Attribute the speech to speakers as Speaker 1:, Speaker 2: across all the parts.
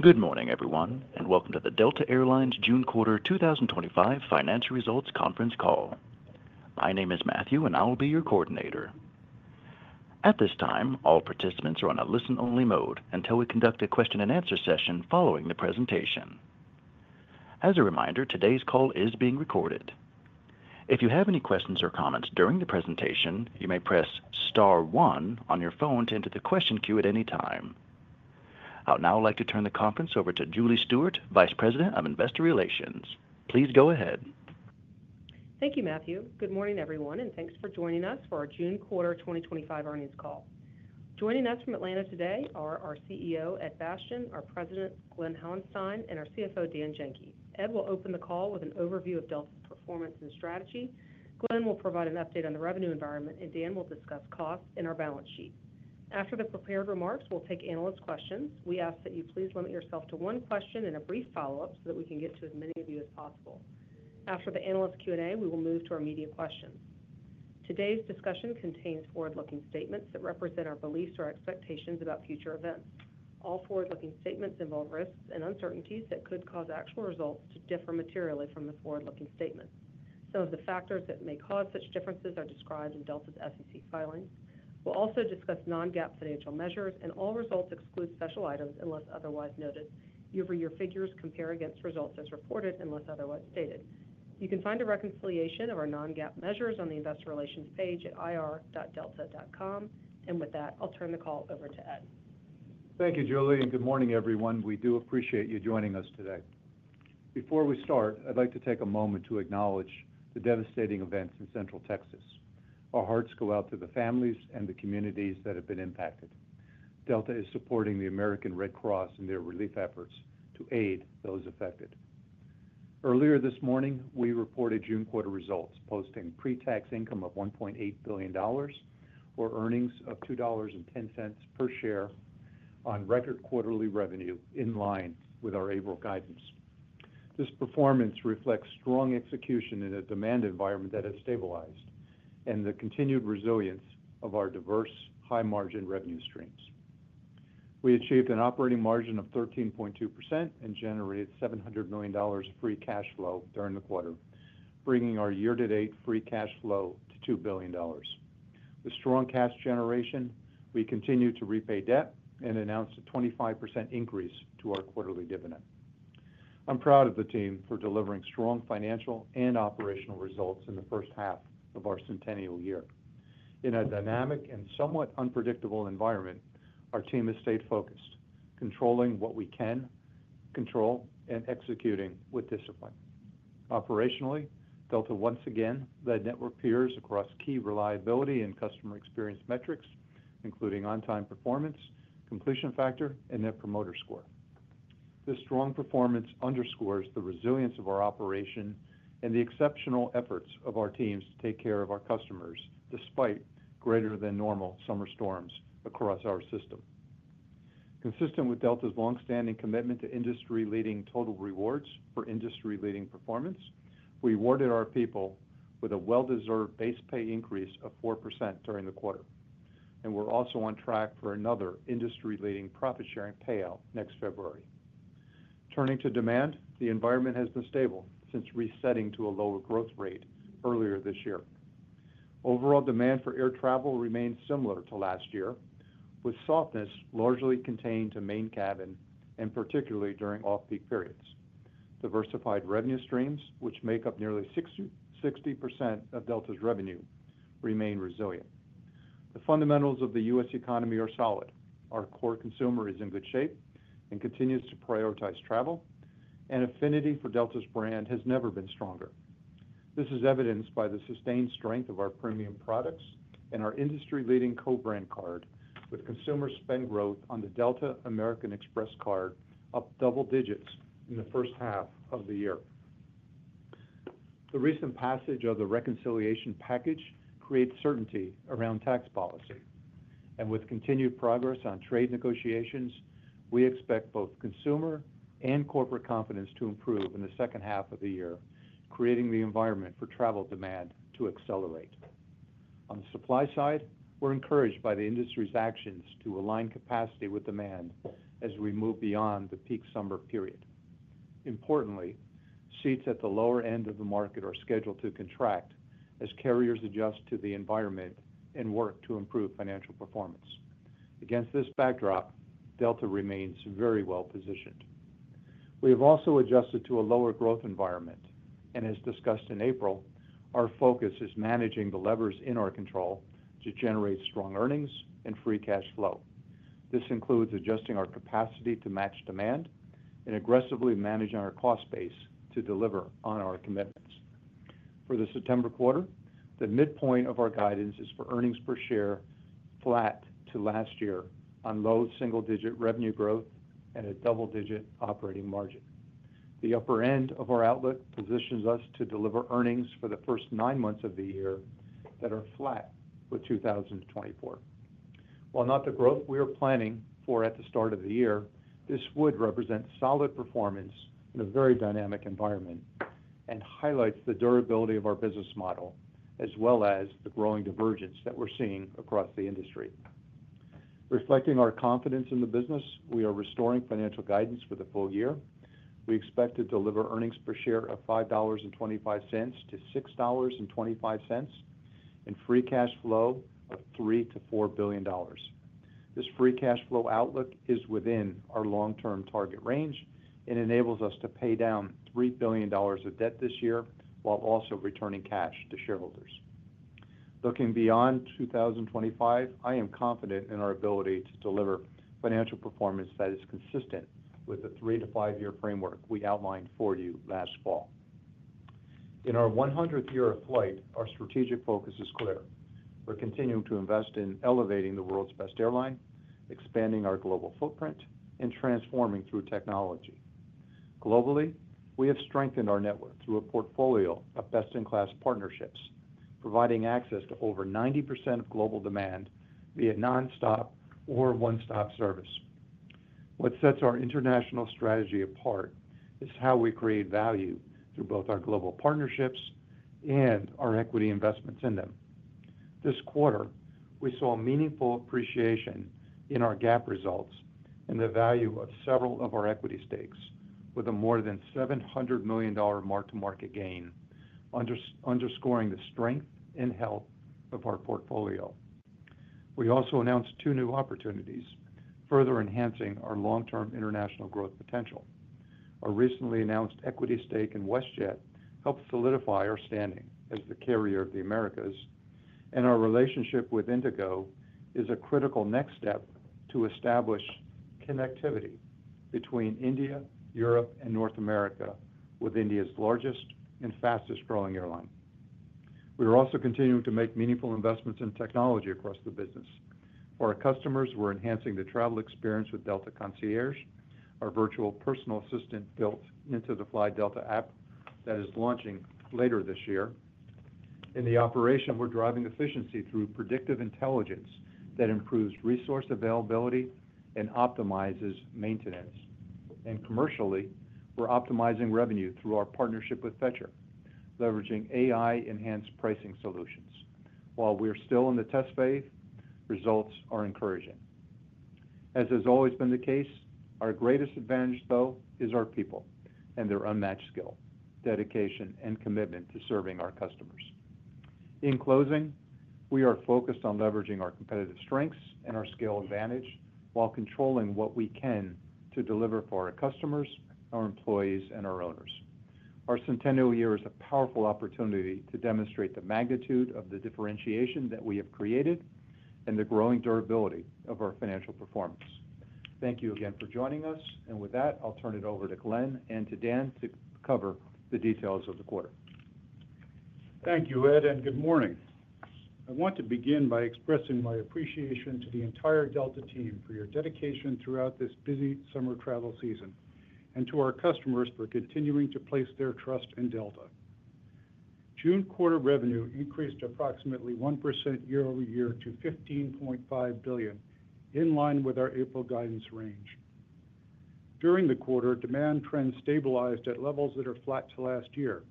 Speaker 1: Good morning, everyone, and welcome to the Delta Air Lines June quarter 2025 Financial Results Conference call. My name is Matthew, and I will be your coordinator. At this time, all participants are on a listen-only mode until we conduct a question-and-answer session following the presentation. As a reminder, today's call is being recorded. If you have any questions or comments during the presentation, you may press Star 1 on your phone to enter the question queue at any time. I would now like to turn the conference over to Julie Stewart, Vice President of Investor Relations. Please go ahead.
Speaker 2: Thank you, Matthew. Good morning, everyone, and thanks for joining us for our June quarter 2025 earnings call. Joining us from Atlanta today are our CEO, Ed Bastian, our President, Glen Hauenstein, and our CFO, Dan Janki. Ed will open the call with an overview of Delta's performance and strategy. Glen will provide an update on the revenue environment, and Dan will discuss costs and our balance sheet. After the prepared remarks, we'll take analyst questions. We ask that you please limit yourself to one question and a brief follow-up so that we can get to as many of you as possible. After the analyst Q&A, we will move to our media questions. Today's discussion contains forward-looking statements that represent our beliefs or expectations about future events. All forward-looking statements involve risks and uncertainties that could cause actual results to differ materially from the forward-looking statements. Some of the factors that may cause such differences are described in Delta's SEC filings. We will also discuss non-GAAP financial measures, and all results exclude special items unless otherwise noted. Year-over-year figures compare against results as reported unless otherwise stated. You can find a reconciliation of our non-GAAP measures on the Investor Relations page at ir.delta.com. With that, I'll turn the call over to Ed.
Speaker 3: Thank you, Julie, and good morning, everyone. We do appreciate you joining us today. Before we start, I'd like to take a moment to acknowledge the devastating events in Central Texas. Our hearts go out to the families and the communities that have been impacted. Delta is supporting the American Red Cross and their relief efforts to aid those affected. Earlier this morning, we reported June quarter results, posting pre-tax income of $1.8 billion, or earnings of $2.10 per share on record quarterly revenue in line with our April guidance. This performance reflects strong execution in a demand environment that has stabilized and the continued resilience of our diverse, high-margin revenue streams. We achieved an operating margin of 13.2% and generated $700 million of free cash flow during the quarter, bringing our year-to-date free cash flow to $2 billion. With strong cash generation, we continue to repay debt and announced a 25% increase to our quarterly dividend. I'm proud of the team for delivering strong financial and operational results in the first half of our centennial year. In a dynamic and somewhat unpredictable environment, our team has stayed focused, controlling what we can control, and executing with discipline. Operationally, Delta once again led network peers across key reliability and customer experience metrics, including on-time performance, completion factor, and net promoter score. This strong performance underscores the resilience of our operation and the exceptional efforts of our teams to take care of our customers despite greater-than-normal summer storms across our system. Consistent with Delta's longstanding commitment to industry-leading total rewards for industry-leading performance, we rewarded our people with a well-deserved base pay increase of 4% during the quarter. We're also on track for another industry-leading profit-sharing payout next February. Turning to demand, the environment has been stable since resetting to a lower growth rate earlier this year. Overall demand for air travel remains similar to last year, with softness largely contained to main cabin and particularly during off-peak periods. Diversified revenue streams, which make up nearly 60% of Delta's revenue, remain resilient. The fundamentals of the U.S. economy are solid. Our core consumer is in good shape and continues to prioritize travel, and affinity for Delta's brand has never been stronger. This is evidenced by the sustained strength of our premium products and our industry-leading co-brand card, with consumer spend growth on the Delta American Express card up double digits in the first half of the year. The recent passage of the reconciliation package creates certainty around tax policy. With continued progress on trade negotiations, we expect both consumer and corporate confidence to improve in the second half of the year, creating the environment for travel demand to accelerate. On the supply side, we're encouraged by the industry's actions to align capacity with demand as we move beyond the peak summer period. Importantly, seats at the lower end of the market are scheduled to contract as carriers adjust to the environment and work to improve financial performance. Against this backdrop, Delta remains very well positioned. We have also adjusted to a lower growth environment, and as discussed in April, our focus is managing the levers in our control to generate strong earnings and free cash flow. This includes adjusting our capacity to match demand and aggressively managing our cost base to deliver on our commitments. For the September quarter, the midpoint of our guidance is for earnings per share flat to last year on low single-digit revenue growth and a double-digit operating margin. The upper end of our outlook positions us to deliver earnings for the first nine months of the year that are flat for 2024. While not the growth we are planning for at the start of the year, this would represent solid performance in a very dynamic environment and highlights the durability of our business model as well as the growing divergence that we're seeing across the industry. Reflecting our confidence in the business, we are restoring financial guidance for the full year. We expect to deliver earnings per share of $5.25-$6.25 and free cash flow of $3 billion-$4 billion. This free cash flow outlook is within our long-term target range and enables us to pay down $3 billion of debt this year while also returning cash to shareholders. Looking beyond 2025, I am confident in our ability to deliver financial performance that is consistent with the three-to-five-year framework we outlined for you last fall. In our 100th year of flight, our strategic focus is clear. We are continuing to invest in elevating the world's best airline, expanding our global footprint, and transforming through technology. Globally, we have strengthened our network through a portfolio of best-in-class partnerships, providing access to over 90% of global demand via nonstop or one-stop service. What sets our international strategy apart is how we create value through both our global partnerships and our equity investments in them. This quarter, we saw meaningful appreciation in our GAAP results and the value of several of our equity stakes, with a more than $700 million mark-to-market gain, underscoring the strength and health of our portfolio. We also announced two new opportunities, further enhancing our long-term international growth potential. Our recently announced equity stake in WestJet helped solidify our standing as the carrier of the Americas, and our relationship with IndiGo is a critical next step to establish connectivity between India, Europe, and North America, with India's largest and fastest-growing airline. We are also continuing to make meaningful investments in technology across the business. For our customers, we're enhancing the travel experience with Delta Concierge, our virtual personal assistant built into the Fly Delta app that is launching later this year. In the operation, we're driving efficiency through predictive intelligence that improves resource availability and optimizes maintenance. Commercially, we're optimizing revenue through our partnership with Fetcher, leveraging AI-enhanced pricing solutions. While we are still in the test phase, results are encouraging. As has always been the case, our greatest advantage, though, is our people and their unmatched skill, dedication, and commitment to serving our customers. In closing, we are focused on leveraging our competitive strengths and our scale advantage while controlling what we can to deliver for our customers, our employees, and our owners. Our centennial year is a powerful opportunity to demonstrate the magnitude of the differentiation that we have created and the growing durability of our financial performance. Thank you again for joining us. With that, I'll turn it over to Glen and to Dan to cover the details of the quarter.
Speaker 4: Thank you, Ed, and good morning. I want to begin by expressing my appreciation to the entire Delta team for your dedication throughout this busy summer travel season and to our customers for continuing to place their trust in Delta. June quarter revenue increased approximately 1% year-over-year to $15.5 billion, in line with our April guidance range. During the quarter, demand trends stabilized at levels that are flat to last year.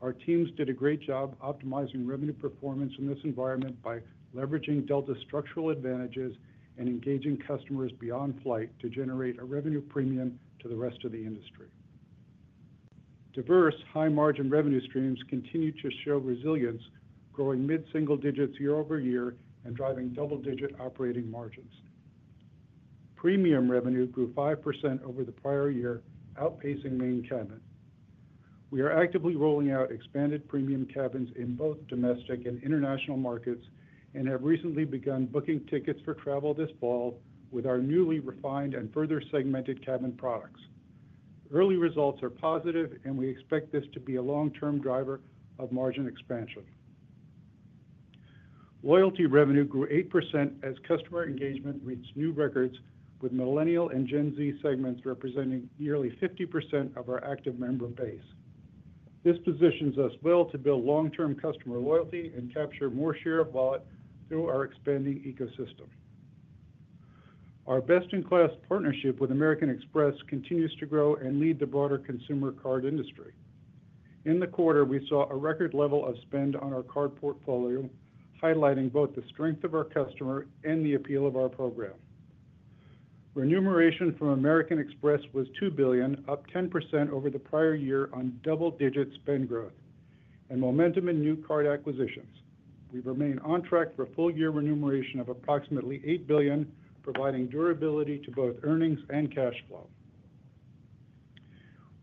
Speaker 4: Our teams did a great job optimizing revenue performance in this environment by leveraging Delta's structural advantages and engaging customers beyond flight to generate a revenue premium to the rest of the industry. Diverse high-margin revenue streams continue to show resilience, growing mid-single digits year-over-year and driving double-digit operating margins. Premium revenue grew 5% over the prior year, outpacing main cabin. We are actively rolling out expanded premium cabins in both domestic and international markets and have recently begun booking tickets for travel this fall with our newly refined and further segmented cabin products. Early results are positive, and we expect this to be a long-term driver of margin expansion. Loyalty revenue grew 8% as customer engagement reached new records, with Millennial and Gen Z segments representing nearly 50% of our active member base. This positions us well to build long-term customer loyalty and capture more share of wallet through our expanding ecosystem. Our best-in-class partnership with American Express continues to grow and lead the broader consumer card industry. In the quarter, we saw a record level of spend on our card portfolio, highlighting both the strength of our customer and the appeal of our program. Remuneration from American Express was $2 billion, up 10% over the prior year on double-digit spend growth and momentum in new card acquisitions. We remain on track for a full-year remuneration of approximately $8 billion, providing durability to both earnings and cash flow.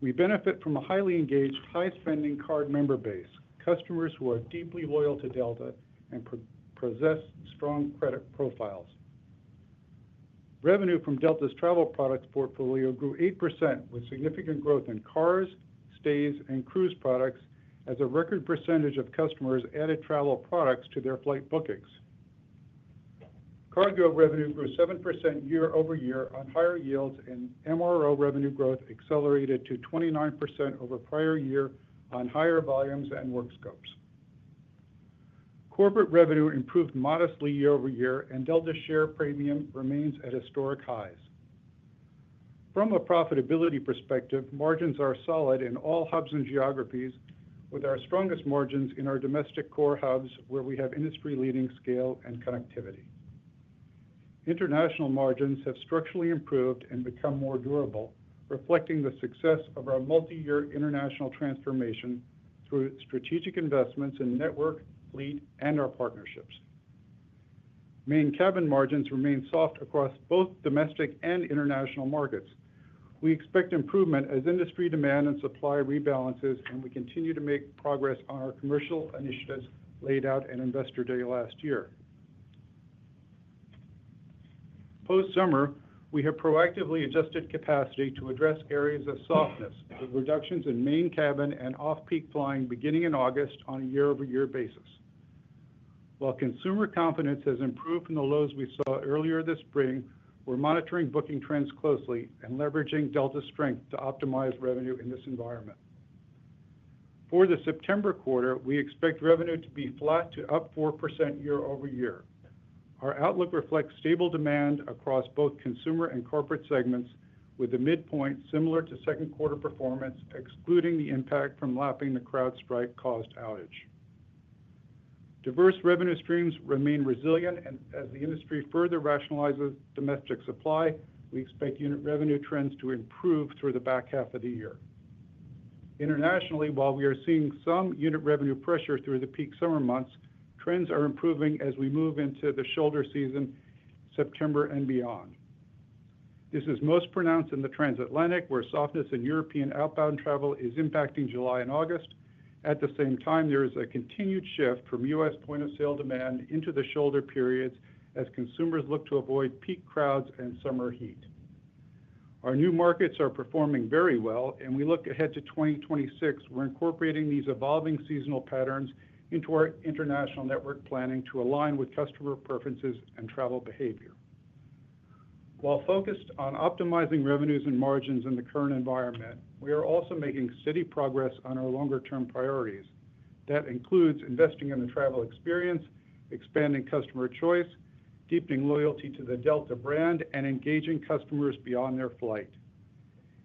Speaker 4: We benefit from a highly engaged, high-spending card member base, customers who are deeply loyal to Delta and possess strong credit profiles. Revenue from Delta's travel product portfolio grew 8%, with significant growth in cars, stays, and cruise products as a record percentage of customers added travel products to their flight bookings. Cargo revenue grew 7% year-over-year on higher yields, and MRO revenue growth accelerated to 29% over prior year on higher volumes and work scopes. Corporate revenue improved modestly year-over-year, and Delta's share premium remains at historic highs. From a profitability perspective, margins are solid in all hubs and geographies, with our strongest margins in our domestic core hubs, where we have industry-leading scale and connectivity. International margins have structurally improved and become more durable, reflecting the success of our multi-year international transformation through strategic investments in network, fleet, and our partnerships. Main cabin margins remain soft across both domestic and international markets. We expect improvement as industry demand and supply rebalances, and we continue to make progress on our commercial initiatives laid out in Investor Day last year. Post-summer, we have proactively adjusted capacity to address areas of softness with reductions in main cabin and off-peak flying beginning in August on a year-over-year basis. While consumer confidence has improved from the lows we saw earlier this spring, we're monitoring booking trends closely and leveraging Delta's strength to optimize revenue in this environment. For the September quarter, we expect revenue to be flat to up 4% year-over-year. Our outlook reflects stable demand across both consumer and corporate segments, with the midpoint similar to second-quarter performance, excluding the impact from lapping the CrowdStrike-caused outage. Diverse revenue streams remain resilient, and as the industry further rationalizes domestic supply, we expect unit revenue trends to improve through the back half of the year. Internationally, while we are seeing some unit revenue pressure through the peak summer months, trends are improving as we move into the shoulder season, September, and beyond. This is most pronounced in the transatlantic, where softness in European outbound travel is impacting July and August. At the same time, there is a continued shift from U.S. point-of-sale demand into the shoulder periods as consumers look to avoid peak crowds and summer heat. Our new markets are performing very well, and we look ahead to 2026. We're incorporating these evolving seasonal patterns into our international network planning to align with customer preferences and travel behavior. While focused on optimizing revenues and margins in the current environment, we are also making steady progress on our longer-term priorities. That includes investing in the travel experience, expanding customer choice, deepening loyalty to the Delta brand, and engaging customers beyond their flight.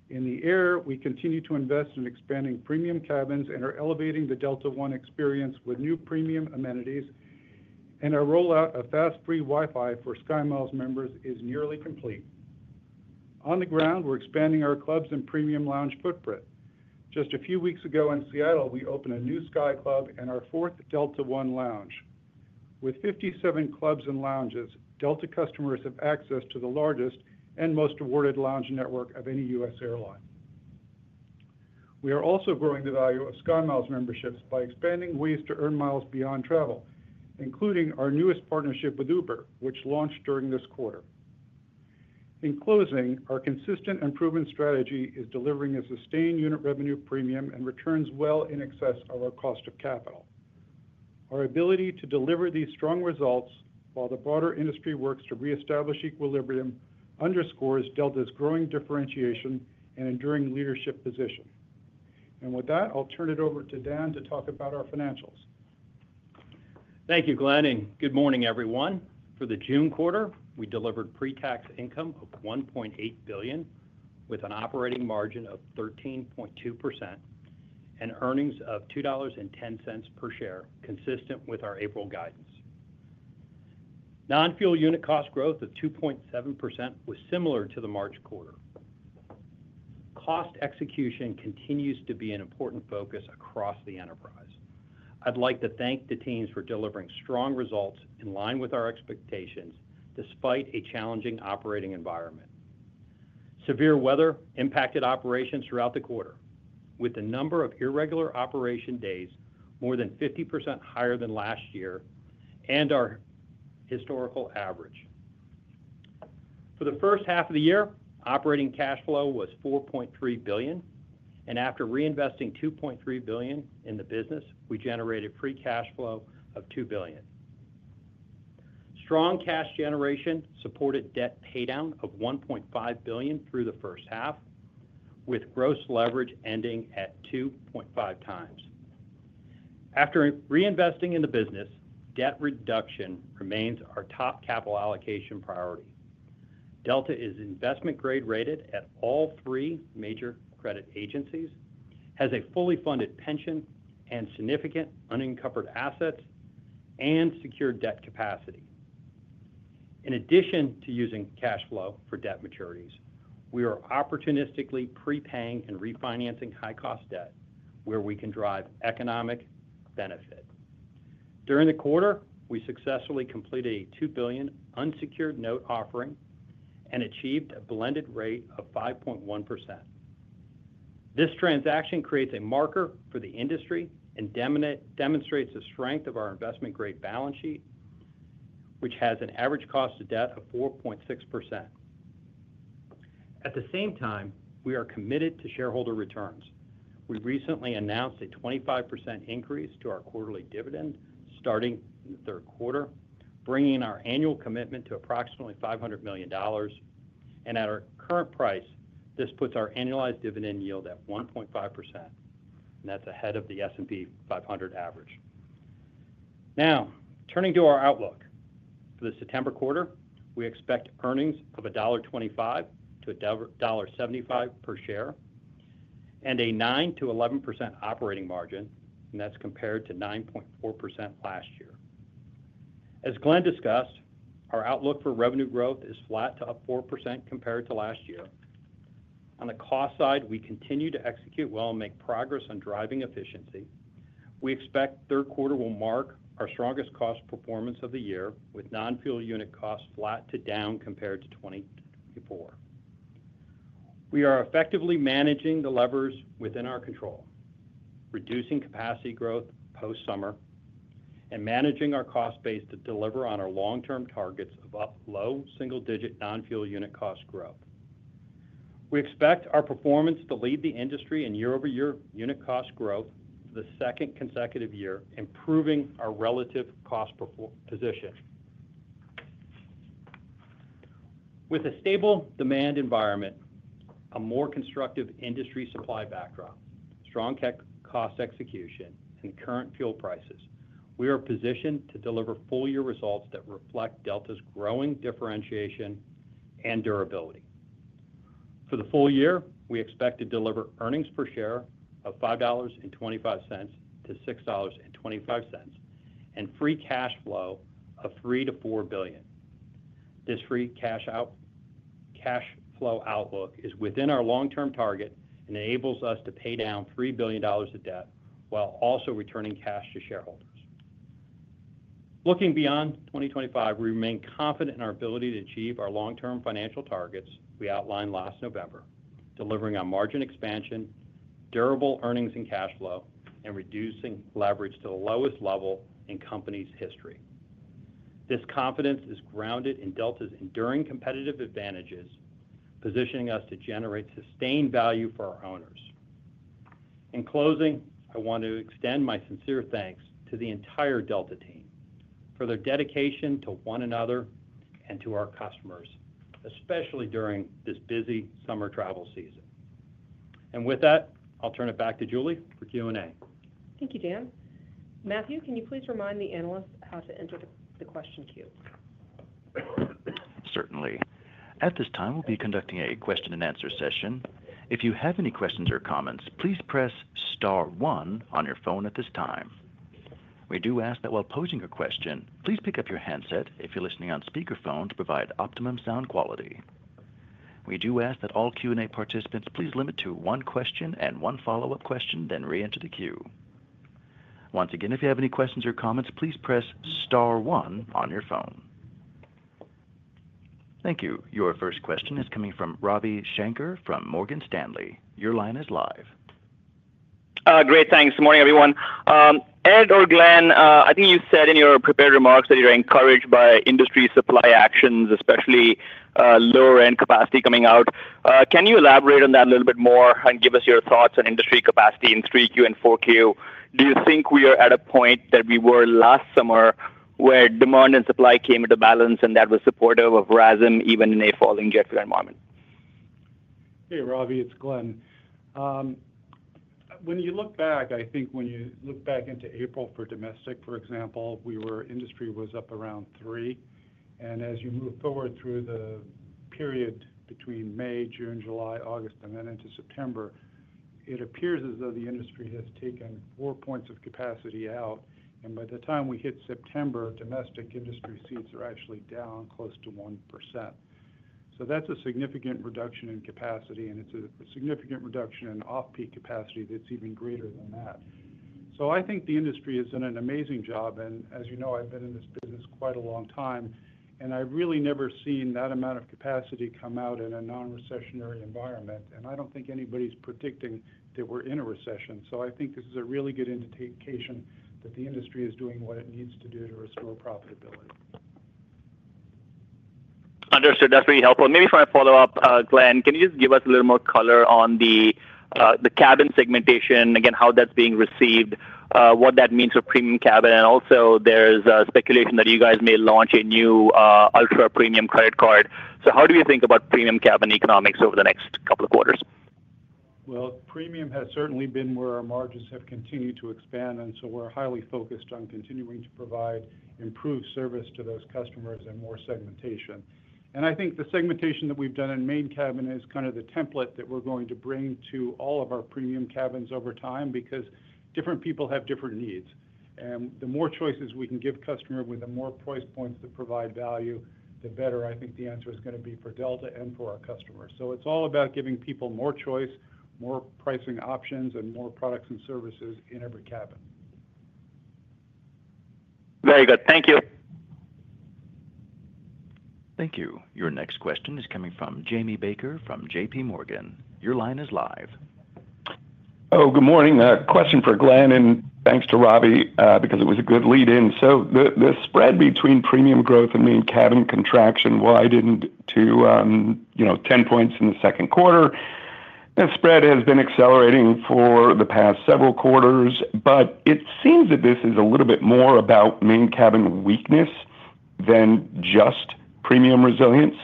Speaker 4: In the air, we continue to invest in expanding premium cabins and are elevating the Delta One experience with new premium amenities, and our rollout of fast free Wi-Fi for SkyMiles members is nearly complete. On the ground, we're expanding our clubs and premium lounge footprint. Just a few weeks ago in Seattle, we opened a new Sky Club and our fourth Delta One lounge. With 57 clubs and lounges, Delta customers have access to the largest and most awarded lounge network of any U.S. airline. We are also growing the value of SkyMiles memberships by expanding ways to earn miles beyond travel, including our newest partnership with Uber, which launched during this quarter. In closing, our consistent improvement strategy is delivering a sustained unit revenue premium and returns well in excess of our cost of capital. Our ability to deliver these strong results while the broader industry works to reestablish equilibrium underscores Delta's growing differentiation and enduring leadership position. With that, I'll turn it over to Dan to talk about our financials.
Speaker 5: Thank you, Glen, and good morning, everyone. For the June quarter, we delivered pre-tax income of $1.8 billion with an operating margin of 13.2%. Earnings of $2.10 per share were consistent with our April guidance. Non-fuel unit cost growth of 2.7% was similar to the March quarter. Cost execution continues to be an important focus across the enterprise. I'd like to thank the teams for delivering strong results in line with our expectations despite a challenging operating environment. Severe weather impacted operations throughout the quarter, with the number of irregular operation days more than 50% higher than last year and our historical average. For the first half of the year, operating cash flow was $4.3 billion, and after reinvesting $2.3 billion in the business, we generated free cash flow of $2 billion. Strong cash generation supported debt paydown of $1.5 billion through the first half, with gross leverage ending at 2.5 times. After reinvesting in the business, debt reduction remains our top capital allocation priority. Delta is investment-grade rated at all three major credit agencies, has a fully funded pension and significant unencumbered assets, and secured debt capacity. In addition to using cash flow for debt maturities, we are opportunistically prepaying and refinancing high-cost debt where we can drive economic benefit. During the quarter, we successfully completed a $2 billion unsecured note offering and achieved a blended rate of 5.1%. This transaction creates a marker for the industry and demonstrates the strength of our investment-grade balance sheet, which has an average cost of debt of 4.6%. At the same time, we are committed to shareholder returns. We recently announced a 25% increase to our quarterly dividend starting in the third quarter, bringing our annual commitment to approximately $500 million. At our current price, this puts our annualized dividend yield at 1.5%. That is ahead of the S&P 500 average. Now, turning to our outlook for the September quarter, we expect earnings of $1.25-$1.75 per share and a 9%-11% operating margin, and that is compared to 9.4% last year. As Glen discussed, our outlook for revenue growth is flat to up 4% compared to last year. On the cost side, we continue to execute well and make progress on driving efficiency. We expect third quarter will mark our strongest cost performance of the year, with non-fuel unit costs flat to down compared to 2024. We are effectively managing the levers within our control, reducing capacity growth post-summer, and managing our cost base to deliver on our long-term targets of up low single-digit non-fuel unit cost growth. We expect our performance to lead the industry in year-over-year unit cost growth for the second consecutive year, improving our relative cost position. With a stable demand environment, a more constructive industry supply backdrop, strong cost execution, and current fuel prices, we are positioned to deliver full-year results that reflect Delta's growing differentiation and durability. For the full year, we expect to deliver earnings per share of $5.25-$6.25 and free cash flow of $3-$4 billion. This free cash flow outlook is within our long-term target and enables us to pay down $3 billion of debt while also returning cash to shareholders. Looking beyond 2025, we remain confident in our ability to achieve our long-term financial targets we outlined last November, delivering on margin expansion, durable earnings and cash flow, and reducing leverage to the lowest level in company's history. This confidence is grounded in Delta's enduring competitive advantages, positioning us to generate sustained value for our owners. In closing, I want to extend my sincere thanks to the entire Delta team for their dedication to one another and to our customers, especially during this busy summer travel season. With that, I'll turn it back to Julie for Q&A.
Speaker 2: Thank you, Dan. Matthew, can you please remind the analysts how to enter the question queue?
Speaker 1: Certainly. At this time, we'll be conducting a question-and-answer session. If you have any questions or comments, please press star one on your phone at this time. We do ask that while posing your question, please pick up your handset if you're listening on speakerphone to provide optimum sound quality. We do ask that all Q&A participants please limit to one question and one follow-up question, then re-enter the queue. Once again, if you have any questions or comments, please press star one on your phone. Thank you. Your first question is coming from Robbie Shanker from Morgan Stanley. Your line is live.
Speaker 6: Great. Thanks. Good morning, everyone. Ed or Glen, I think you said in your prepared remarks that you're encouraged by industry supply actions, especially lower-end capacity coming out. Can you elaborate on that a little bit more and give us your thoughts on industry capacity in 3Q and 4Q? Do you think we are at a point that we were last summer where demand and supply came into balance and that was supportive of RASM even in a falling JetFleet environment?
Speaker 4: Hey, Robbie, it's Glen. When you look back, I think when you look back into April for domestic, for example, we were industry was up around three. As you move forward through the period between May, June, July, August, and then into September, it appears as though the industry has taken four points of capacity out. By the time we hit September, domestic industry seats are actually down close to 1%. That is a significant reduction in capacity, and it is a significant reduction in off-peak capacity that is even greater than that. I think the industry has done an amazing job. As you know, I have been in this business quite a long time, and I have really never seen that amount of capacity come out in a non-recessionary environment. I do not think anybody is predicting that we are in a recession. I think this is a really good indication that the industry is doing what it needs to do to restore profitability.
Speaker 6: Understood. That's really helpful. Maybe for my follow-up, Glen, can you just give us a little more color on the cabin segmentation, again, how that's being received, what that means for premium cabin? Also, there's speculation that you guys may launch a new ultra-premium credit card. How do you think about premium cabin economics over the next couple of quarters?
Speaker 4: Premium has certainly been where our margins have continued to expand, and so we're highly focused on continuing to provide improved service to those customers and more segmentation. I think the segmentation that we've done in main cabin is kind of the template that we're going to bring to all of our premium cabins over time because different people have different needs. The more choices we can give customers with the more price points to provide value, the better I think the answer is going to be for Delta and for our customers. It's all about giving people more choice, more pricing options, and more products and services in every cabin.
Speaker 6: Very good. Thank you.
Speaker 1: Thank you. Your next question is coming from Jamie Baker from J.P. Morgan. Your line is live.
Speaker 7: Oh, good morning. Question for Glen, and thanks to Robbie because it was a good lead-in. The spread between premium growth and main cabin contraction widened to 10 points in the second quarter. That spread has been accelerating for the past several quarters, but it seems that this is a little bit more about main cabin weakness than just premium resilience.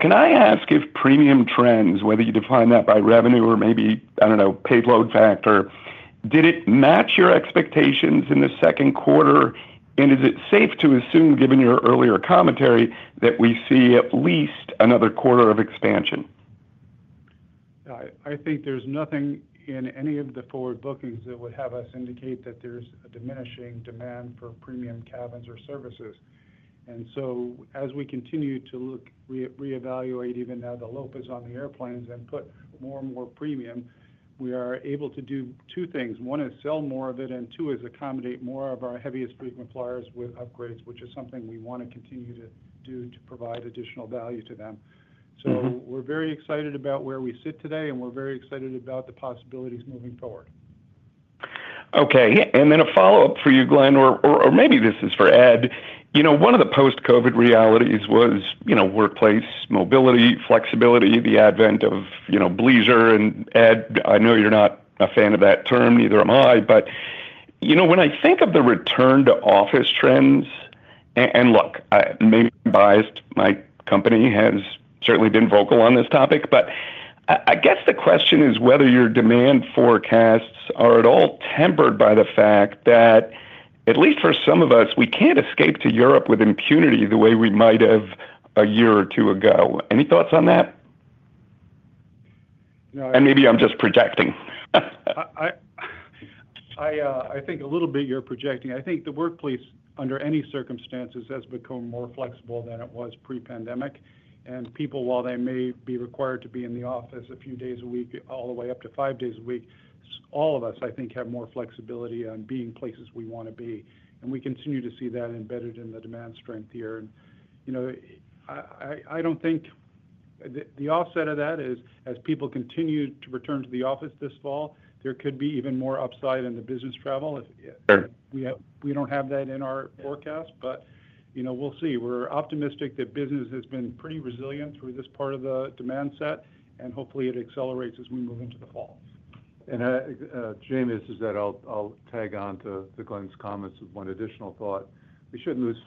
Speaker 7: Can I ask if premium trends, whether you define that by revenue or maybe, I do not know, payload factor, did it match your expectations in the second quarter? Is it safe to assume, given your earlier commentary, that we see at least another quarter of expansion?
Speaker 4: I think there's nothing in any of the forward bookings that would have us indicate that there's a diminishing demand for premium cabins or services. As we continue to look, reevaluate even now the layouts on the airplanes and put more and more premium, we are able to do two things. One is sell more of it, and two is accommodate more of our heaviest frequent flyers with upgrades, which is something we want to continue to do to provide additional value to them. We are very excited about where we sit today, and we are very excited about the possibilities moving forward.
Speaker 7: Okay. And then a follow-up for you, Glen, or maybe this is for Ed. One of the post-COVID realities was workplace mobility, flexibility, the advent of Blazer. And Ed, I know you're not a fan of that term, neither am I, but when I think of the return to office trends—look, maybe I'm biased—my company has certainly been vocal on this topic. I guess the question is whether your demand forecasts are at all tempered by the fact that, at least for some of us, we can't escape to Europe with impunity the way we might have a year or two ago. Any thoughts on that? Maybe I'm just projecting.
Speaker 4: I think a little bit you're projecting. I think the workplace, under any circumstances, has become more flexible than it was pre-pandemic. People, while they may be required to be in the office a few days a week all the way up to five days a week, all of us, I think, have more flexibility on being places we want to be. We continue to see that embedded in the demand strength here. I don't think the offset of that is, as people continue to return to the office this fall, there could be even more upside in the business travel. We don't have that in our forecast, but we'll see. We're optimistic that business has been pretty resilient through this part of the demand set, and hopefully, it accelerates as we move into the fall.
Speaker 3: Jamie, this is Ed. I'll tag on to Glen's comments with one additional thought. We shouldn't lose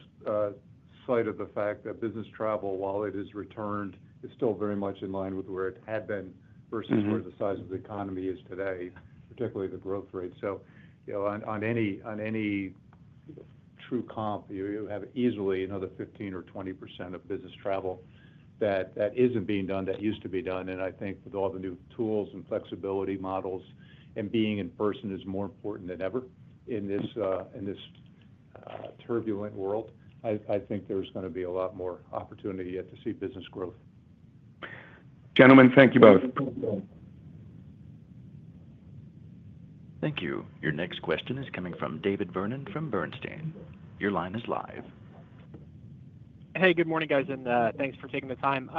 Speaker 3: sight of the fact that business travel, while it has returned, is still very much in line with where it had been versus where the size of the economy is today, particularly the growth rate. On any true comp, you have easily another 15% or 20% of business travel that isn't being done that used to be done. I think with all the new tools and flexibility models and being in person is more important than ever in this turbulent world. I think there's going to be a lot more opportunity yet to see business growth.
Speaker 7: Gentlemen, thank you both.
Speaker 1: Thank you. Your next question is coming from David Vernon from Bernstein. Your line is live.
Speaker 8: Hey, good morning, guys, and thanks for taking the time.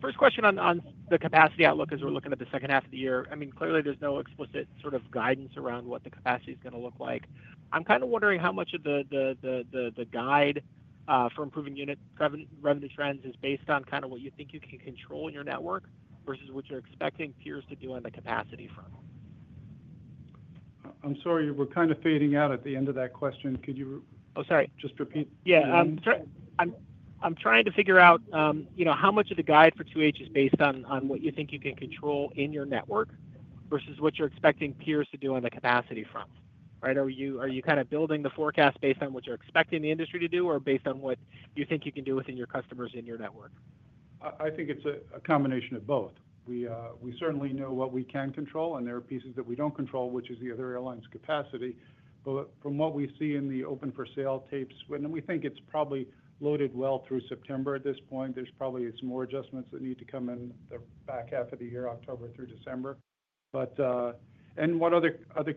Speaker 8: First question on the capacity outlook as we're looking at the second half of the year. I mean, clearly, there's no explicit sort of guidance around what the capacity is going to look like. I'm kind of wondering how much of the guide for improving unit revenue trends is based on kind of what you think you can control in your network versus what you're expecting peers to do on the capacity front.
Speaker 4: I'm sorry, we're kind of fading out at the end of that question. Could you?
Speaker 8: Oh, sorry.
Speaker 4: Just repeat?
Speaker 8: Yeah. I'm trying to figure out how much of the guide for 2H is based on what you think you can control in your network versus what you're expecting peers to do on the capacity front, right? Are you kind of building the forecast based on what you're expecting the industry to do or based on what you think you can do within your customers in your network?
Speaker 4: I think it's a combination of both. We certainly know what we can control, and there are pieces that we don't control, which is the other airlines' capacity. From what we see in the open-for-sale tapes, we think it's probably loaded well through September at this point. There's probably some more adjustments that need to come in the back half of the year, October through December. What other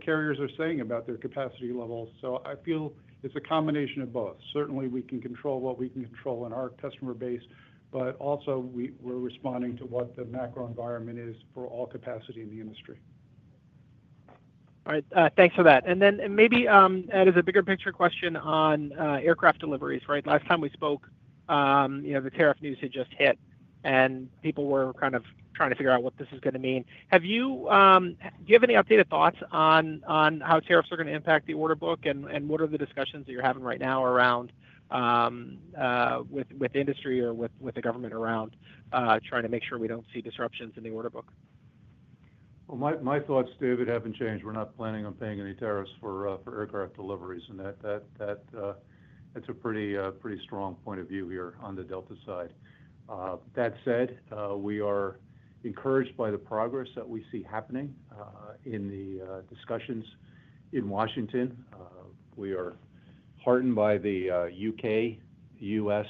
Speaker 4: carriers are saying about their capacity levels. I feel it's a combination of both. Certainly, we can control what we can control in our customer base, but also we're responding to what the macro environment is for all capacity in the industry.
Speaker 8: All right. Thanks for that. Maybe that is a bigger picture question on aircraft deliveries, right? Last time we spoke, the tariff news had just hit, and people were kind of trying to figure out what this is going to mean. Do you have any updated thoughts on how tariffs are going to impact the order book, and what are the discussions that you're having right now around, with industry or with the government, around trying to make sure we do not see disruptions in the order book?
Speaker 3: My thoughts, David, have not changed. We are not planning on paying any tariffs for aircraft deliveries. That is a pretty strong point of view here on the Delta side. That said, we are encouraged by the progress that we see happening in the discussions in Washington. We are heartened by the U.K. U.S.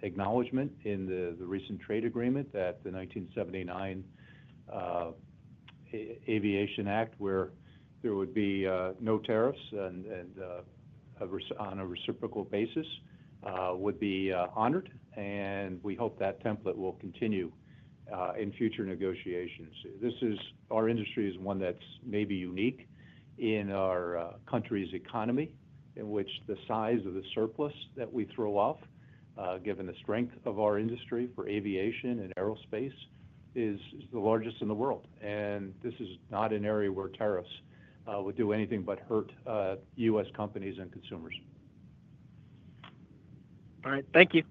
Speaker 3: acknowledgment in the recent trade agreement that the 1979 Aviation Act, where there would be no tariffs and, on a reciprocal basis, would be honored. We hope that template will continue in future negotiations. Our industry is one that is maybe unique in our country's economy, in which the size of the surplus that we throw off, given the strength of our industry for aviation and aerospace, is the largest in the world. This is not an area where tariffs would do anything but hurt U.S. companies and consumers.
Speaker 8: All right. Thank you.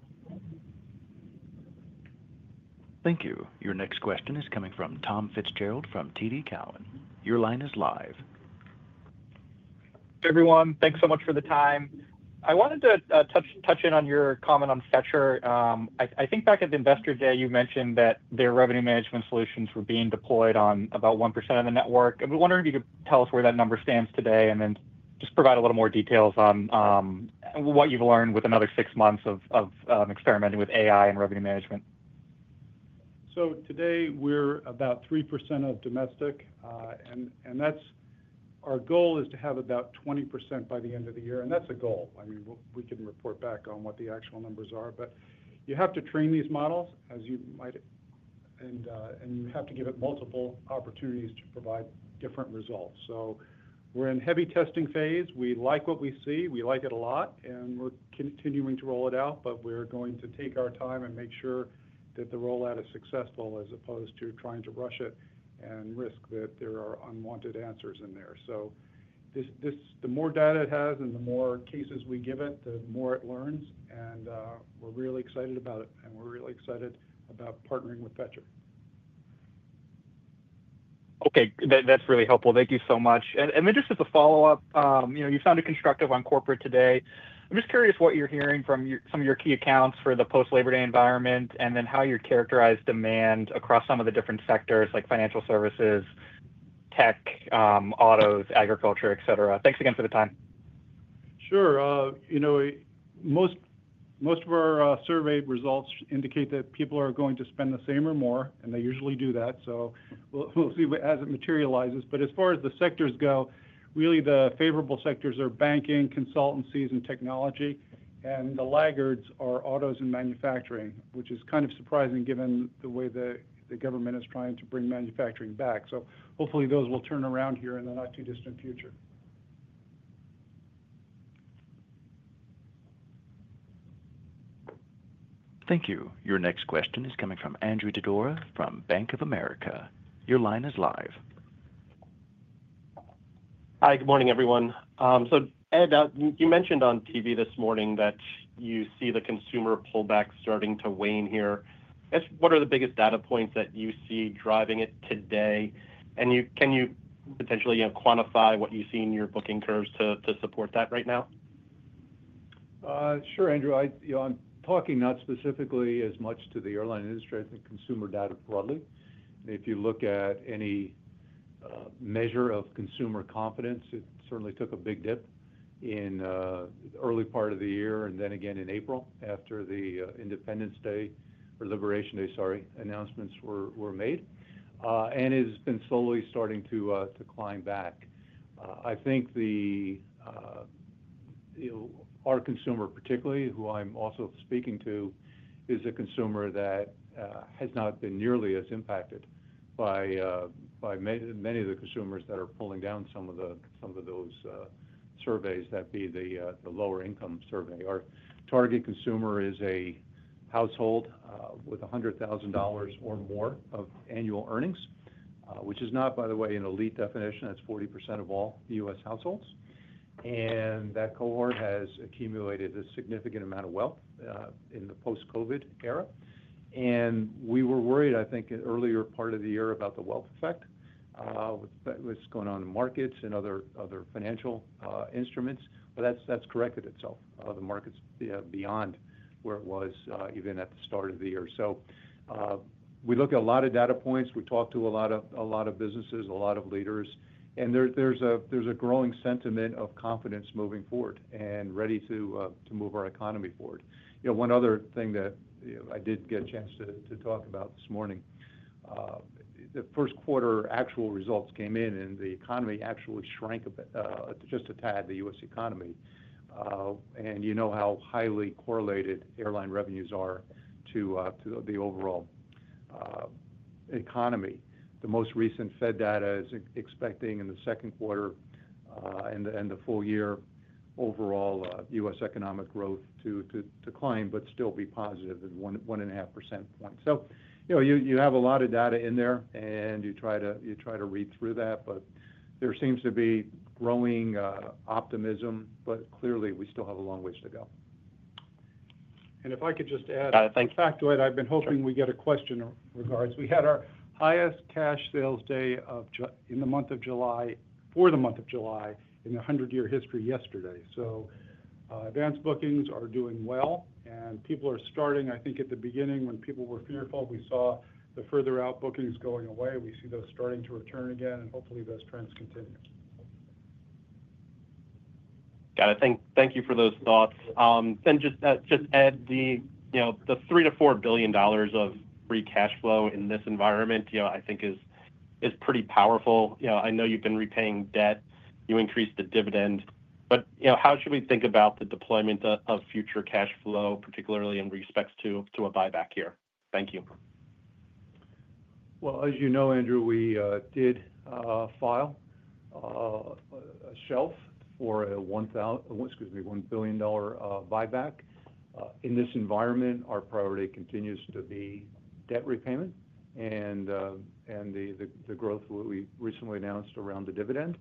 Speaker 1: Thank you. Your next question is coming from Tom Fitzgerald from TD Cowen. Your line is live.
Speaker 9: Everyone, thanks so much for the time. I wanted to touch in on your comment on Fetcher. I think back at the investor day, you mentioned that their revenue management solutions were being deployed on about 1% of the network. I'd be wondering if you could tell us where that number stands today and then just provide a little more details on what you've learned with another six months of experimenting with AI and revenue management.
Speaker 4: Today, we're about 3% of domestic. Our goal is to have about 20% by the end of the year. That's a goal. I mean, we can report back on what the actual numbers are. You have to train these models, as you might. You have to give it multiple opportunities to provide different results. We're in heavy testing phase. We like what we see. We like it a lot. We're continuing to roll it out, but we're going to take our time and make sure that the rollout is successful as opposed to trying to rush it and risk that there are unwanted answers in there. The more data it has and the more cases we give it, the more it learns. We're really excited about it. We're really excited about partnering with Fetcher.
Speaker 9: Okay. That's really helpful. Thank you so much. And then just as a follow-up, you sounded constructive on corporate today. I'm just curious what you're hearing from some of your key accounts for the post-Labor Day environment and then how you characterize demand across some of the different sectors like financial services, tech, autos, agriculture, etc. Thanks again for the time.
Speaker 4: Sure. Most of our survey results indicate that people are going to spend the same or more, and they usually do that. We will see as it materializes. As far as the sectors go, really, the favorable sectors are banking, consultancies, and technology. The laggards are autos and manufacturing, which is kind of surprising given the way the government is trying to bring manufacturing back. Hopefully, those will turn around here in the not-too-distant future.
Speaker 1: Thank you. Your next question is coming from Andrew DeDora from Bank of America. Your line is live.
Speaker 10: Hi. Good morning, everyone. Ed, you mentioned on TV this morning that you see the consumer pullback starting to wane here. What are the biggest data points that you see driving it today? Can you potentially quantify what you see in your booking curves to support that right now?
Speaker 3: Sure, Andrew. I'm talking not specifically as much to the airline industry as to consumer data broadly. If you look at any measure of consumer confidence, it certainly took a big dip in the early part of the year and then again in April after the Independence Day or Liberation Day, sorry, announcements were made. It has been slowly starting to climb back. I think our consumer, particularly, who I'm also speaking to, is a consumer that has not been nearly as impacted by many of the consumers that are pulling down some of those surveys, that be the lower-income survey. Our target consumer is a household with $100,000 or more of annual earnings, which is not, by the way, an elite definition. That's 40% of all U.S. households. That cohort has accumulated a significant amount of wealth in the post-COVID era. We were worried, I think, in the earlier part of the year about the wealth effect. What's going on in markets and other financial instruments. That has corrected itself. The market is beyond where it was even at the start of the year. We look at a lot of data points. We talk to a lot of businesses, a lot of leaders. There is a growing sentiment of confidence moving forward and ready to move our economy forward. One other thing that I did get a chance to talk about this morning. The first-quarter actual results came in, and the economy actually shrank just a tad in the U.S. economy. You know how highly correlated airline revenues are to the overall economy. The most recent Fed data is expecting in the second quarter and the full-year overall U.S. economic growth to climb, but still be positive at 1.5 percentage points. You have a lot of data in there, and you try to read through that. There seems to be growing optimism, but clearly, we still have a long ways to go.
Speaker 4: If I could just add—
Speaker 10: Got it. Thank you.
Speaker 4: In fact, Andrew, I've been hoping we get a question in regards. We had our highest cash sales day in the month of July for the month of July in the 100-year history yesterday. Advanced bookings are doing well. People are starting, I think, at the beginning when people were fearful, we saw the further-out bookings going away. We see those starting to return again, and hopefully, those trends continue.
Speaker 10: Got it. Thank you for those thoughts. Just to add, the $3-$4 billion of free cash flow in this environment, I think, is pretty powerful. I know you've been repaying debt. You increased the dividend. How should we think about the deployment of future cash flow, particularly in respects to a buyback year? Thank you.
Speaker 3: As you know, Andrew, we did file a shelf for a, excuse me, $1 billion buyback. In this environment, our priority continues to be debt repayment and the growth we recently announced around the dividend.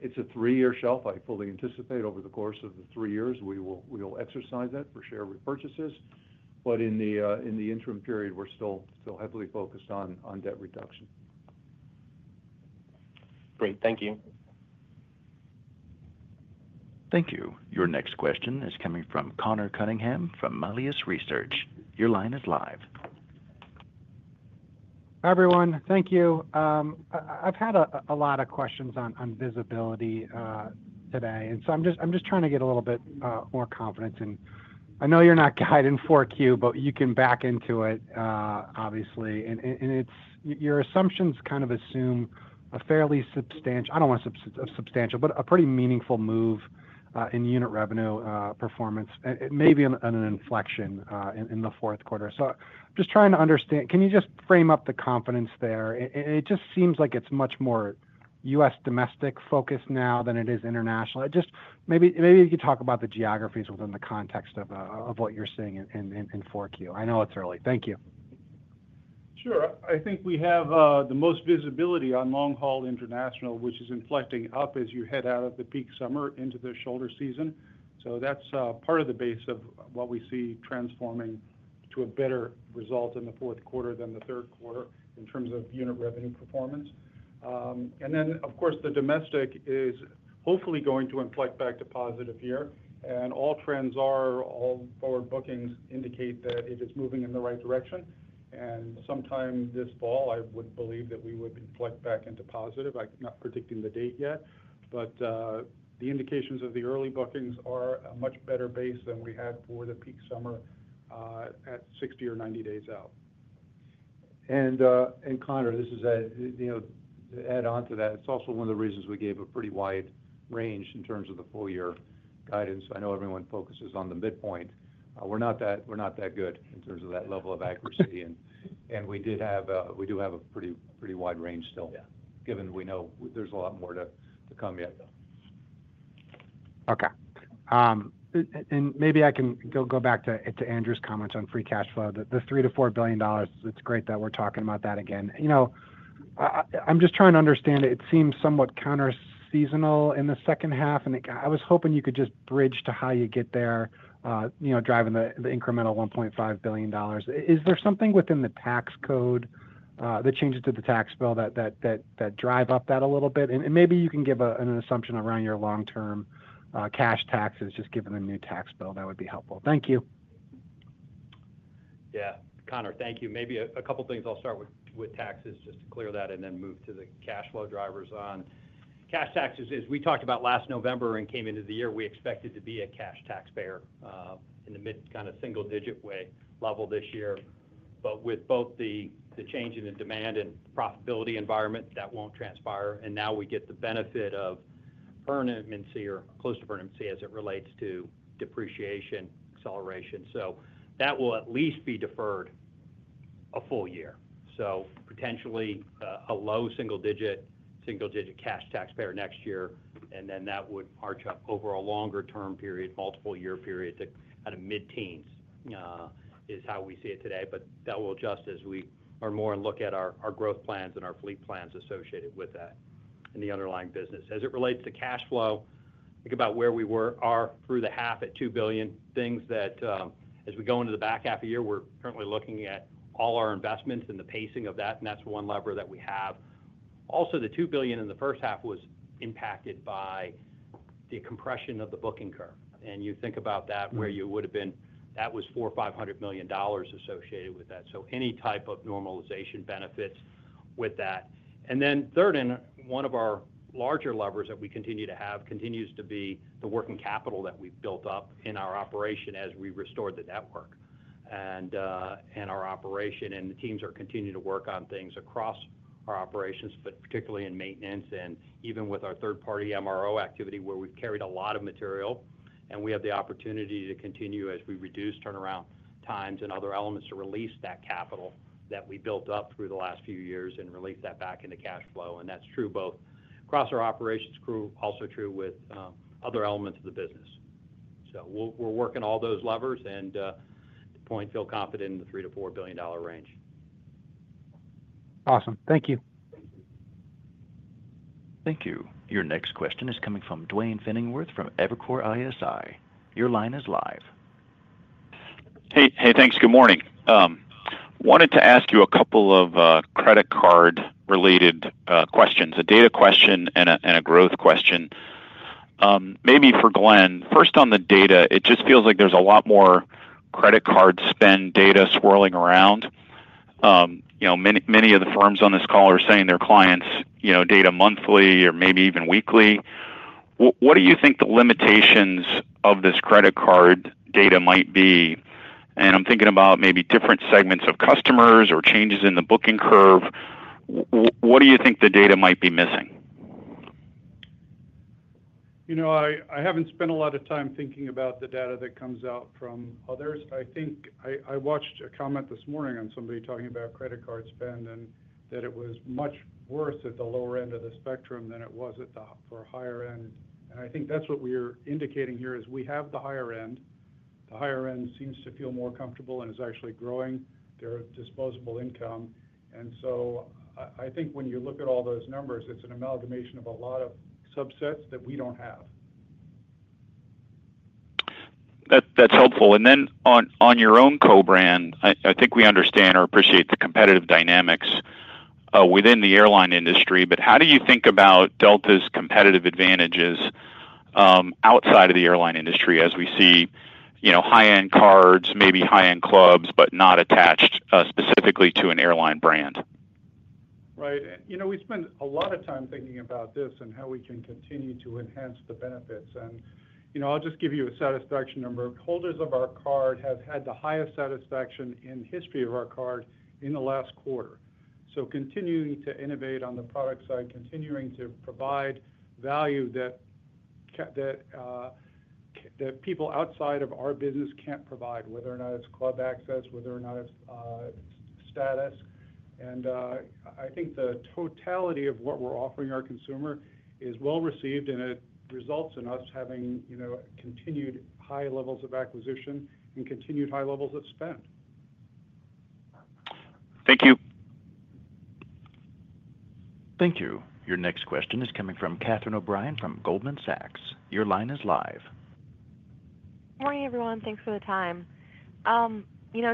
Speaker 3: It is a three-year shelf. I fully anticipate over the course of the three years, we will exercise that for share repurchases. In the interim period, we are still heavily focused on debt reduction.
Speaker 10: Great. Thank you.
Speaker 1: Thank you. Your next question is coming from Connor Cunningham from Malleus Research. Your line is live.
Speaker 11: Hi, everyone. Thank you. I've had a lot of questions on visibility today. I'm just trying to get a little bit more confidence. I know you're not guided in Q4, but you can back into it, obviously. Your assumptions kind of assume a fairly substantial—I don't want to say substantial, but a pretty meaningful move in unit revenue performance, maybe an inflection in the fourth quarter. I'm just trying to understand. Can you just frame up the confidence there? It just seems like it's much more U.S. domestic focused now than it is international. Maybe you could talk about the geographies within the context of what you're seeing in Q4. I know it's early. Thank you.
Speaker 4: Sure. I think we have the most visibility on long-haul international, which is inflecting up as you head out of the peak summer into the shoulder season. That is part of the base of what we see transforming to a better result in the fourth quarter than the third quarter in terms of unit revenue performance. Of course, the domestic is hopefully going to inflect back to positive here. All trends are, all forward bookings indicate that it is moving in the right direction. Sometime this fall, I would believe that we would inflect back into positive. I'm not predicting the date yet. The indications of the early bookings are a much better base than we had for the peak summer at 60 or 90 days out.
Speaker 3: Connor, this is to add on to that. It's also one of the reasons we gave a pretty wide range in terms of the full-year guidance. I know everyone focuses on the midpoint. We're not that good in terms of that level of accuracy. We do have a pretty wide range still, given we know there's a lot more to come yet.
Speaker 11: Okay. Maybe I can go back to Andrew's comments on free cash flow. The $3-$4 billion, it's great that we're talking about that again. I'm just trying to understand. It seems somewhat counter-seasonal in the second half. I was hoping you could just bridge to how you get there, driving the incremental $1.5 billion. Is there something within the tax code, the changes to the tax bill, that drive up that a little bit? Maybe you can give an assumption around your long-term cash taxes, just given the new tax bill. That would be helpful. Thank you.
Speaker 5: Yeah. Connor, thank you. Maybe a couple of things. I'll start with taxes just to clear that and then move to the cash flow drivers on cash taxes. As we talked about last November and came into the year, we expected to be a cash taxpayer in the mid kind of single-digit level this year. With both the change in the demand and profitability environment, that won't transpire. Now we get the benefit of permanency or close to permanency as it relates to depreciation, acceleration. That will at least be deferred a full year. Potentially a low single-digit cash taxpayer next year. That would arch up over a longer-term period, multiple-year period, to kind of mid-teens. Is how we see it today. That will adjust as we are more and look at our growth plans and our fleet plans associated with that and the underlying business. As it relates to cash flow, think about where we are through the half at $2 billion. Things that, as we go into the back half of the year, we're currently looking at all our investments and the pacing of that. That's one lever that we have. Also, the $2 billion in the first half was impacted by the compression of the booking curve. You think about that, where you would have been, that was $400 million-$500 million associated with that. Any type of normalization benefits with that. Then third, one of our larger levers that we continue to have continues to be the working capital that we've built up in our operation as we restored the network and our operation. The teams are continuing to work on things across our operations, particularly in maintenance and even with our third-party MRO activity where we've carried a lot of material. We have the opportunity to continue, as we reduce turnaround times and other elements, to release that capital that we built up through the last few years and release that back into cash flow. That's true both across our operations crew, also true with other elements of the business. We're working all those levers and feel confident in the $3 billion-$4 billion range.
Speaker 11: Awesome. Thank you.
Speaker 1: Thank you. Your next question is coming from Duane Pfenningwerth from Evercore ISI. Your line is live.
Speaker 12: Hey, thanks. Good morning. Wanted to ask you a couple of credit card-related questions, a data question and a growth question. Maybe for Glen. First, on the data, it just feels like there's a lot more credit card spend data swirling around. Many of the firms on this call are saying their clients' data monthly or maybe even weekly. What do you think the limitations of this credit card data might be? And I'm thinking about maybe different segments of customers or changes in the booking curve. What do you think the data might be missing?
Speaker 4: I haven't spent a lot of time thinking about the data that comes out from others. I think I watched a comment this morning on somebody talking about credit card spend and that it was much worse at the lower end of the spectrum than it was at the higher end. I think that's what we are indicating here is we have the higher end. The higher end seems to feel more comfortable and is actually growing their disposable income. I think when you look at all those numbers, it's an amalgamation of a lot of subsets that we don't have.
Speaker 12: That's helpful. Then on your own co-brand, I think we understand or appreciate the competitive dynamics within the airline industry. How do you think about Delta's competitive advantages outside of the airline industry as we see high-end cards, maybe high-end clubs, but not attached specifically to an airline brand?
Speaker 4: Right. We spend a lot of time thinking about this and how we can continue to enhance the benefits. I'll just give you a satisfaction number. Holders of our card have had the highest satisfaction in the history of our card in the last quarter. Continuing to innovate on the product side, continuing to provide value that people outside of our business can't provide, whether or not it's club access, whether or not it's status. I think the totality of what we're offering our consumer is well received, and it results in us having continued high levels of acquisition and continued high levels of spend.
Speaker 12: Thank you.
Speaker 1: Thank you. Your next question is coming from Catherine O'Brien from Goldman Sachs. Your line is live.
Speaker 13: Morning, everyone. Thanks for the time.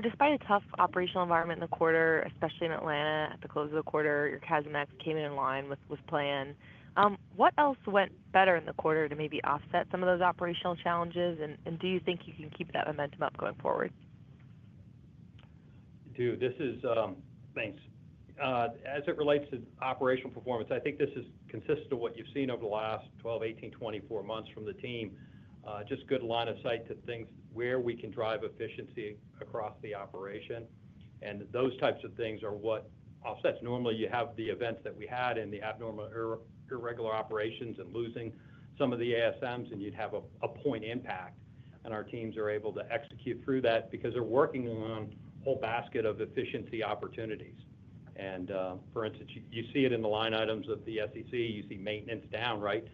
Speaker 13: Despite a tough operational environment in the quarter, especially in Atlanta at the close of the quarter, your CASMEX came in line with plan. What else went better in the quarter to maybe offset some of those operational challenges? Do you think you can keep that momentum up going forward?
Speaker 5: Dude, this is—thanks. As it relates to operational performance, I think this is consistent with what you've seen over the last 12, 18, 24 months from the team. Just good line of sight to things where we can drive efficiency across the operation. Those types of things are what offsets. Normally, you have the events that we had in the abnormal irregular operations and losing some of the ASMs, and you'd have a point impact. Our teams are able to execute through that because they're working on a whole basket of efficiency opportunities. For instance, you see it in the line items of the SEC. You see maintenance down, right?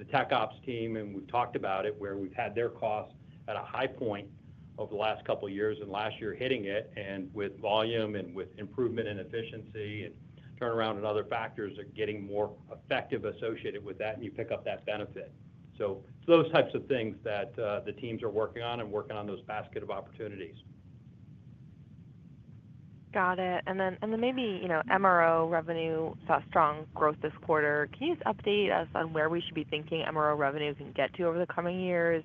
Speaker 5: It's the tech ops team, and we've talked about it where we've had their costs at a high point over the last couple of years and last year hitting it. With volume and with improvement in efficiency and turnaround and other factors, they're getting more effective associated with that, and you pick up that benefit. Those types of things that the teams are working on and working on those basket of opportunities.
Speaker 13: Got it. Maybe MRO revenue saw strong growth this quarter. Can you just update us on where we should be thinking MRO revenue can get to over the coming years?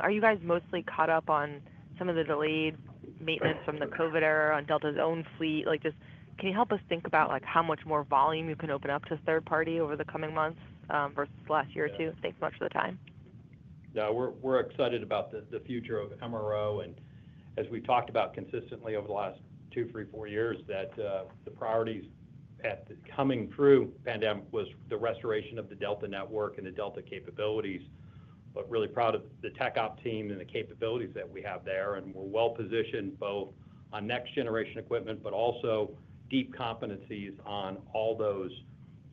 Speaker 13: Are you guys mostly caught up on some of the delayed maintenance from the COVID era on Delta's own fleet? Can you help us think about how much more volume you can open up to a third party over the coming months versus the last year or two? Thanks much for the time.
Speaker 5: Yeah. We're excited about the future of MRO. As we've talked about consistently over the last two, three, four years, the priorities coming through the pandemic were the restoration of the Delta network and the Delta capabilities. Really proud of the tech op team and the capabilities that we have there. We're well positioned both on next-generation equipment, but also deep competencies on all those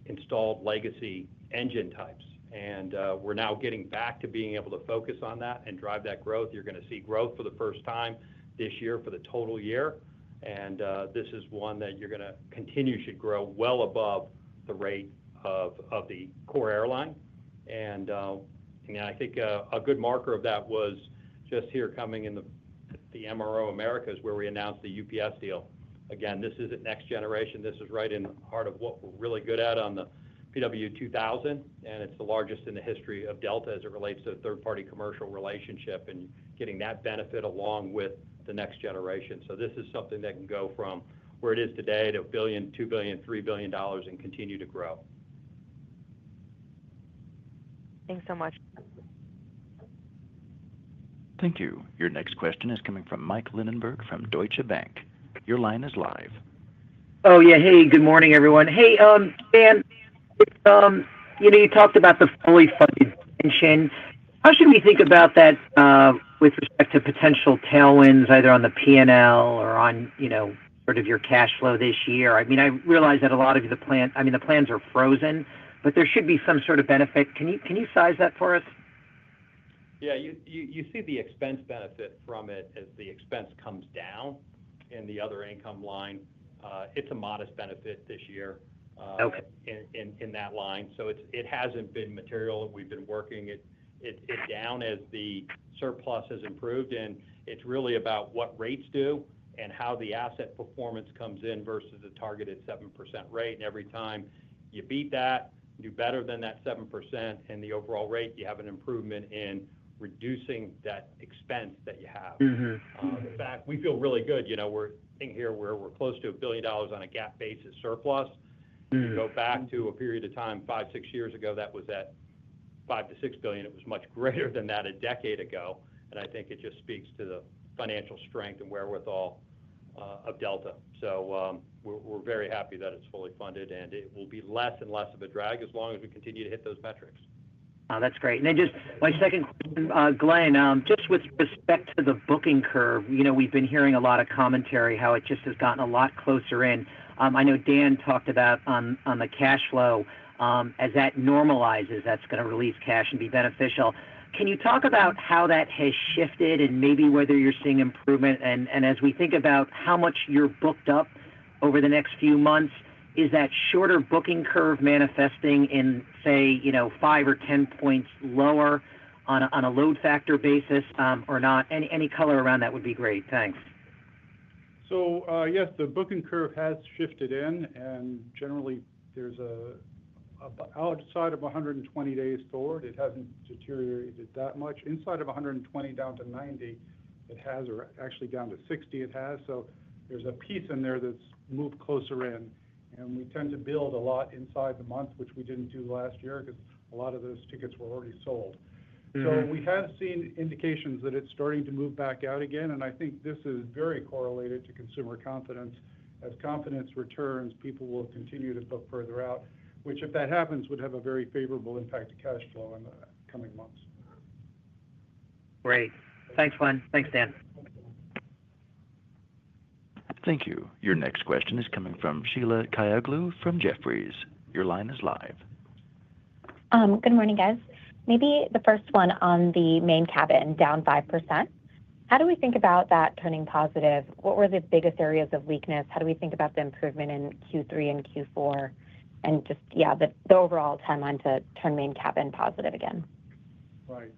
Speaker 5: installed legacy engine types. We're now getting back to being able to focus on that and drive that growth. You're going to see growth for the first time this year for the total year. This is one that you're going to continue should grow well above the rate of the core airline. I think a good marker of that was just here coming in the MRO Americas where we announced the UPS deal. Again, this isn't next generation. This is right in the heart of what we're really good at on the PW2000. And it's the largest in the history of Delta as it relates to third-party commercial relationship and getting that benefit along with the next generation. This is something that can go from where it is today to $1 billion, $2 billion, $3 billion, and continue to grow.
Speaker 13: Thanks so much.
Speaker 1: Thank you. Your next question is coming from Mike Lindenberg from Deutsche Bank. Your line is live.
Speaker 14: Oh, yeah. Hey, good morning, everyone. Hey, Dan, you talked about the fully funded extension. How should we think about that with respect to potential tailwinds either on the P&L or on sort of your cash flow this year? I mean, I realize that a lot of the—I mean, the plans are frozen, but there should be some sort of benefit. Can you size that for us?
Speaker 5: Yeah. You see the expense benefit from it as the expense comes down in the other income line. It's a modest benefit this year in that line. It hasn't been material. We've been working it down as the surplus has improved. It's really about what rates do and how the asset performance comes in versus the targeted 7% rate. Every time you beat that, you do better than that 7% in the overall rate, you have an improvement in reducing that expense that you have. In fact, we feel really good. We're in here where we're close to a billion dollars on a GAAP basis surplus. You go back to a period of time, five, six years ago, that was at $5 billion-$6 billion. It was much greater than that a decade ago. I think it just speaks to the financial strength and wherewithal. Of Delta. We are very happy that it's fully funded, and it will be less and less of a drag as long as we continue to hit those metrics.
Speaker 14: That's great. Just my second question, Glen, just with respect to the booking curve, we've been hearing a lot of commentary how it just has gotten a lot closer in. I know Dan talked about on the cash flow, as that normalizes, that's going to release cash and be beneficial. Can you talk about how that has shifted and maybe whether you're seeing improvement? As we think about how much you're booked up over the next few months, is that shorter booking curve manifesting in, say, 5 or 10 points lower on a load factor basis or not? Any color around that would be great. Thanks.
Speaker 4: Yes, the booking curve has shifted in. Generally, outside of 120 days stored, it has not deteriorated that much. Inside of 120, down to 90, it has, actually down to 60 it has. There is a piece in there that has moved closer in. We tend to build a lot inside the month, which we did not do last year because a lot of those tickets were already sold. We have seen indications that it is starting to move back out again. I think this is very correlated to consumer confidence. As confidence returns, people will continue to book further out, which, if that happens, would have a very favorable impact to cash flow in the coming months.
Speaker 14: Great. Thanks, Glen. Thanks, Dan.
Speaker 1: Thank you. Your next question is coming from Sheila Kahyaoglu from Jefferies. Your line is live.
Speaker 15: Good morning, guys. Maybe the first one on the main cabin, down 5%. How do we think about that turning positive? What were the biggest areas of weakness? How do we think about the improvement in Q3 and Q4? Yeah, the overall timeline to turn main cabin positive again.
Speaker 4: Right.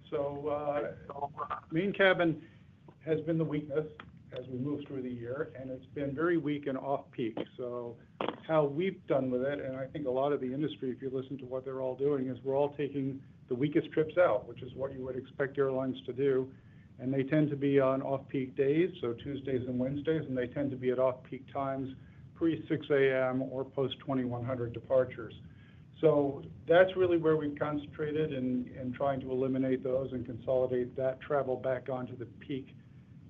Speaker 4: Main cabin has been the weakness as we move through the year, and it's been very weak and off-peak. How we've done with it, and I think a lot of the industry, if you listen to what they're all doing, is we're all taking the weakest trips out, which is what you would expect airlines to do. They tend to be on off-peak days, Tuesdays and Wednesdays, and they tend to be at off-peak times, pre-6:00 A.M. or post-9:00 P.M. departures. That's really where we've concentrated in trying to eliminate those and consolidate that travel back onto the peak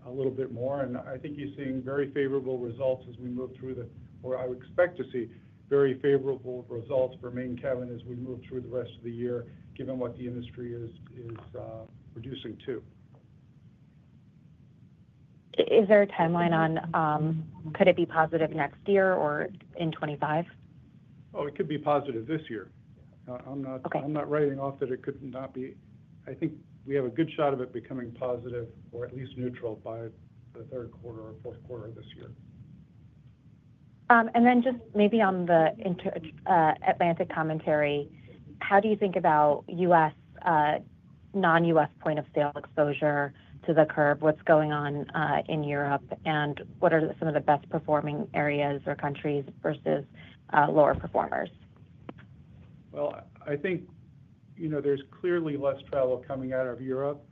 Speaker 4: a little bit more. I think you're seeing very favorable results as we move through the—or I would expect to see very favorable results for main cabin as we move through the rest of the year, given what the industry is producing too.
Speaker 15: Is there a timeline on could it be positive next year or in 2025?
Speaker 4: Oh, it could be positive this year. I'm not writing off that it could not be. I think we have a good shot of it becoming positive or at least neutral by the third quarter or fourth quarter of this year.
Speaker 15: Just maybe on the Atlantic commentary, how do you think about U.S. non-U.S. point of sale exposure to the curve? What's going on in Europe? What are some of the best-performing areas or countries versus lower performers?
Speaker 4: I think there's clearly less travel coming out of Europe,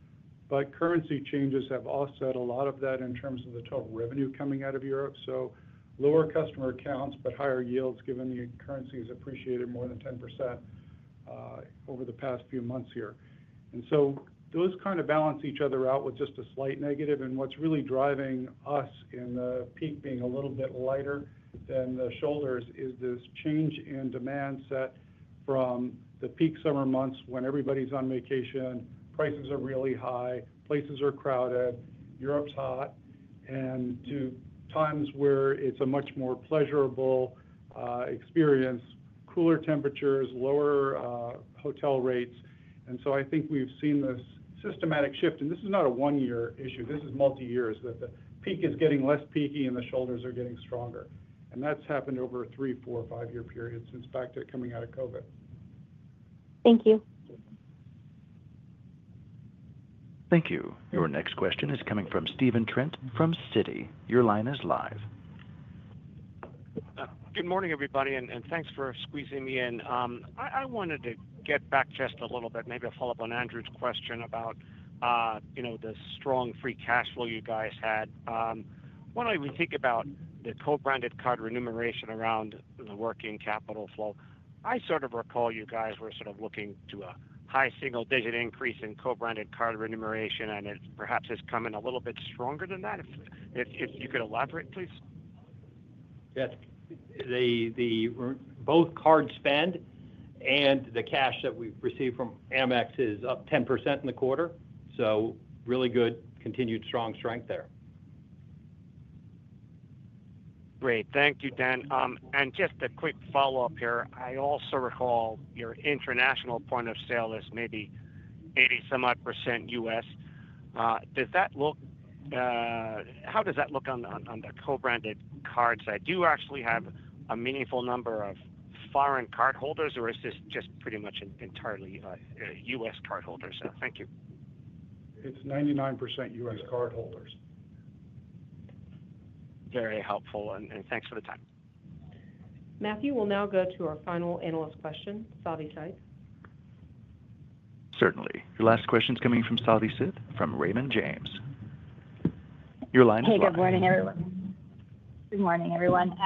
Speaker 4: but currency changes have offset a lot of that in terms of the total revenue coming out of Europe. Lower customer counts, but higher yields given the currencies appreciated more than 10% over the past few months here. Those kind of balance each other out with just a slight negative. What's really driving us in the peak being a little bit lighter than the shoulders is this change in demand set from the peak summer months when everybody's on vacation, prices are really high, places are crowded, Europe's hot, and to times where it's a much more pleasurable experience, cooler temperatures, lower hotel rates. I think we've seen this systematic shift. This is not a one-year issue. This is multi-years that the peak is getting less peaky and the shoulders are getting stronger. That has happened over a three, four, or five-year period since back to coming out of COVID.
Speaker 15: Thank you.
Speaker 1: Thank you. Your next question is coming from Stephen Trent from Citi. Your line is live.
Speaker 16: Good morning, everybody, and thanks for squeezing me in. I wanted to get back just a little bit, maybe a follow-up on Andrew's question about the strong free cash flow you guys had. When I think about the co-branded card remuneration around the working capital flow, I sort of recall you guys were sort of looking to a high single-digit increase in co-branded card remuneration, and it perhaps has come in a little bit stronger than that. If you could elaborate, please.
Speaker 5: Yeah. Both card spend and the cash that we've received from Amex is up 10% in the quarter. So really good continued strong strength there.
Speaker 12: Great. Thank you, Dan. Just a quick follow-up here. I also recall your international point of sale is maybe 80-some-odd % US. Does that look—how does that look on the co-branded cards? Do you actually have a meaningful number of foreign cardholders, or is this just pretty much entirely U.S. cardholders? Thank you.
Speaker 4: It's 99% U.S. cardholders.
Speaker 16: Very helpful. Thanks for the time.
Speaker 2: Matthew, we'll now go to our final analyst question, Savi Seth.
Speaker 1: Certainly. Your last question is coming from Savi Seth from Raymond James. Your line is live.
Speaker 17: Hey, good morning, everyone.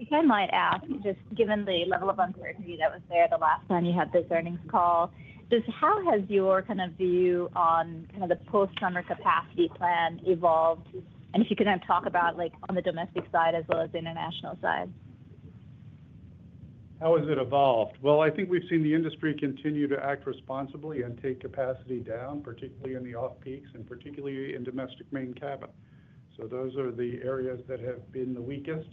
Speaker 17: If I might ask, just given the level of uncertainty that was there the last time you had this earnings call, just how has your kind of view on kind of the post-summer capacity plan evolved? If you can talk about on the domestic side as well as the international side.
Speaker 4: How has it evolved? I think we've seen the industry continue to act responsibly and take capacity down, particularly in the off-peaks and particularly in domestic main cabin. Those are the areas that have been the weakest.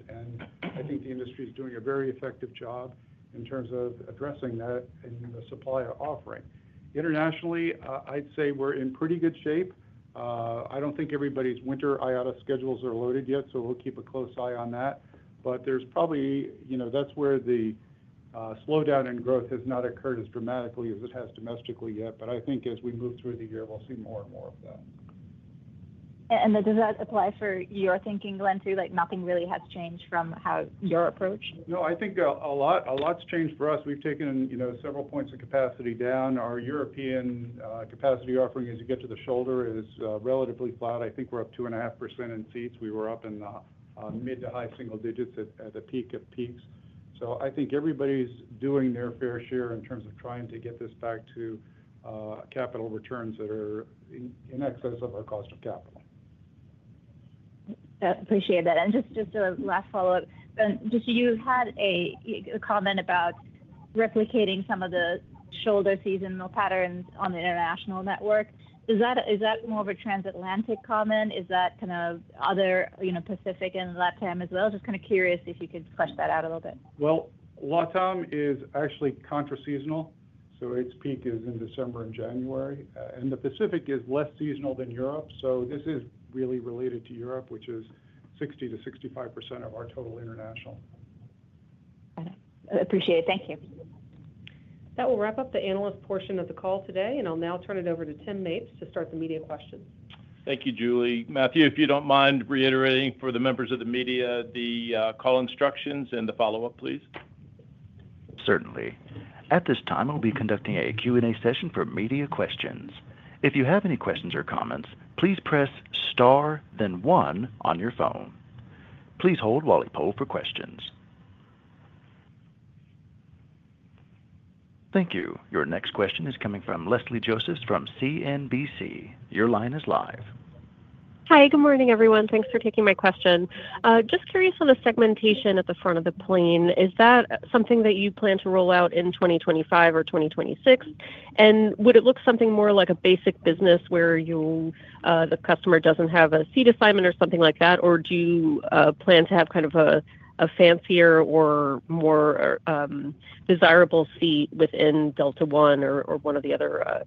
Speaker 4: I think the industry is doing a very effective job in terms of addressing that in the supply or offering. Internationally, I'd say we're in pretty good shape. I don't think everybody's winter IATA schedules are loaded yet, so we'll keep a close eye on that. There's probably—that's where the slowdown in growth has not occurred as dramatically as it has domestically yet. I think as we move through the year, we'll see more and more of that.
Speaker 17: Does that apply for your thinking, Glen, too? Nothing really has changed from how your approach?
Speaker 4: No, I think a lot's changed for us. We've taken several points of capacity down. Our European capacity offering, as you get to the shoulder, is relatively flat. I think we're up 2.5% in seats. We were up in the mid to high single digits at the peak of peaks. I think everybody's doing their fair share in terms of trying to get this back to capital returns that are in excess of our cost of capital.
Speaker 17: Appreciate that. Just a last follow-up. You had a comment about replicating some of the shoulder seasonal patterns on the international network. Is that more of a transatlantic comment? Is that kind of other Pacific and LATAM as well? Just kind of curious if you could flesh that out a little bit.
Speaker 4: LATAM is actually contra-seasonal. So its peak is in December and January. And the Pacific is less seasonal than Europe. So this is really related to Europe, which is 60%-65% of our total international.
Speaker 17: Got it. Appreciate it. Thank you.
Speaker 2: That will wrap up the analyst portion of the call today. I'll now turn it over to Tim Mapes to start the media questions.
Speaker 3: Thank you, Julie. Matthew, if you don't mind reiterating for the members of the media the call instructions and the follow-up, please.
Speaker 1: Certainly. At this time, we'll be conducting a Q&A session for media questions. If you have any questions or comments, please press star, then one on your phone. Please hold while we poll for questions. Thank you. Your next question is coming from Leslie Josephs from CNBC. Your line is live.
Speaker 18: Hi, good morning, everyone. Thanks for taking my question. Just curious on the segmentation at the front of the plane. Is that something that you plan to roll out in 2025 or 2026? Would it look something more like a basic business where the customer does not have a seat assignment or something like that? Do you plan to have kind of a fancier or more desirable seat within Delta One or one of the other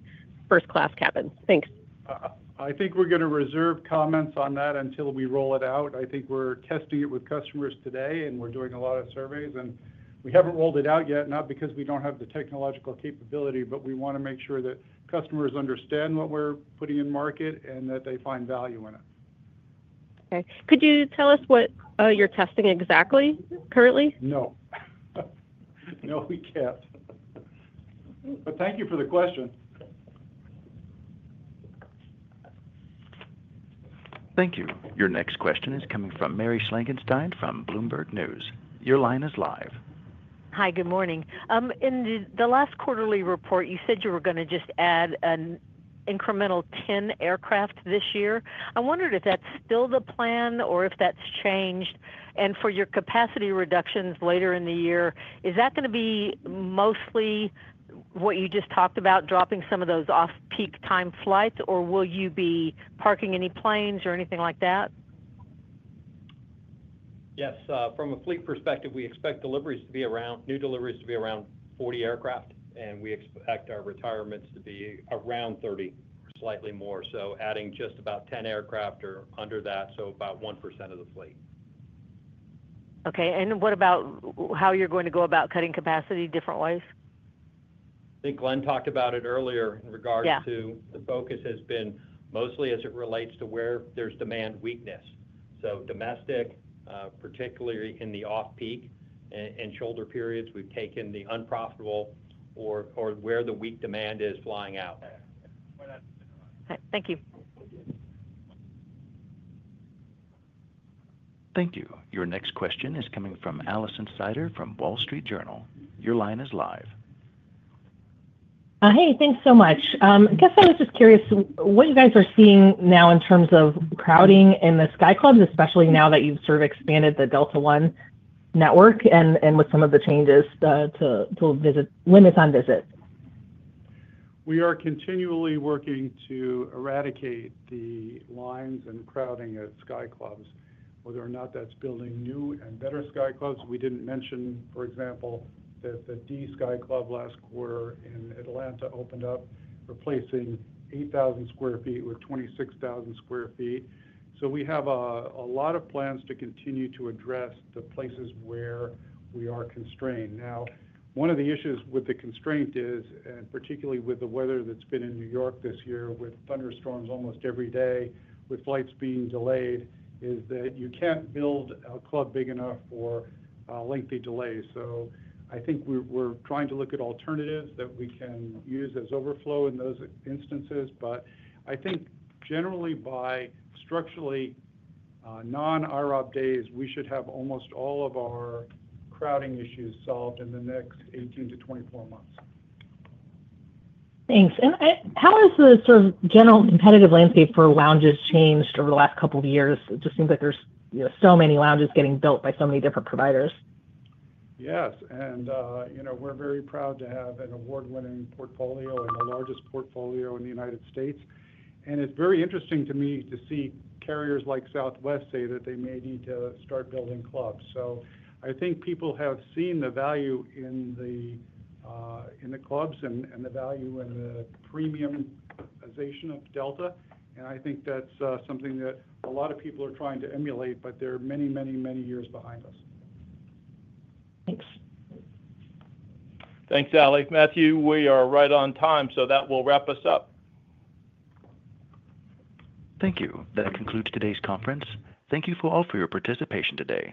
Speaker 18: first-class cabins? Thanks.
Speaker 4: I think we're going to reserve comments on that until we roll it out. I think we're testing it with customers today, and we're doing a lot of surveys. We haven't rolled it out yet, not because we don't have the technological capability, but we want to make sure that customers understand what we're putting in market and that they find value in it.
Speaker 18: Okay. Could you tell us what you're testing exactly currently?
Speaker 4: No. No, we can't. Thank you for the question.
Speaker 1: Thank you. Your next question is coming from Mary Schlangenstein from Bloomberg News. Your line is live.
Speaker 19: Hi, good morning. In the last quarterly report, you said you were going to just add an incremental 10 aircraft this year. I wondered if that's still the plan or if that's changed. For your capacity reductions later in the year, is that going to be mostly what you just talked about, dropping some of those off-peak time flights, or will you be parking any planes or anything like that?
Speaker 5: Yes. From a fleet perspective, we expect deliveries to be around 40 aircraft, and we expect our retirements to be around 30 or slightly more. Adding just about 10 aircraft or under that, so about 1% of the fleet.
Speaker 19: Okay. What about how you're going to go about cutting capacity different ways?
Speaker 5: I think Glen talked about it earlier in regards to the focus has been mostly as it relates to where there's demand weakness. So domestic, particularly in the off-peak and shoulder periods, we've taken the unprofitable or where the weak demand is flying out.
Speaker 19: Thank you.
Speaker 1: Thank you. Your next question is coming from Alison sider from Wall Street Journal. Your line is live.
Speaker 20: Hey, thanks so much. I guess I was just curious what you guys are seeing now in terms of crowding in the Sky Clubs, especially now that you've sort of expanded the Delta One network and with some of the changes to limits on visits.
Speaker 4: We are continually working to eradicate the lines and crowding at Sky Clubs. Whether or not that's building new and better Sky Clubs, we didn't mention, for example, that the D Sky Club last quarter in Atlanta opened up, replacing 8,000 sq ft with 26,000 sq ft. We have a lot of plans to continue to address the places where we are constrained. Now, one of the issues with the constraint is, and particularly with the weather that's been in New York this year, with thunderstorms almost every day, with flights being delayed, is that you can't build a club big enough for lengthy delays. I think we're trying to look at alternatives that we can use as overflow in those instances. I think generally, by structurally. Non-IROP days, we should have almost all of our crowding issues solved in the next 18-24 months.
Speaker 20: Thanks. How has the sort of general competitive landscape for lounges changed over the last couple of years? It just seems like there are so many lounges getting built by so many different providers.
Speaker 4: Yes. We are very proud to have an award-winning portfolio and the largest portfolio in the United States. It is very interesting to me to see carriers like Southwest say that they may need to start building clubs. I think people have seen the value in the clubs and the value in the premiumization of Delta. I think that is something that a lot of people are trying to emulate, but they are many, many, many years behind us.
Speaker 20: Thanks.
Speaker 3: Thanks, Alison. Matthew, we are right on time, so that will wrap us up.
Speaker 1: Thank you. That concludes today's conference. Thank you all for your participation today.